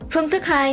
phương thức hai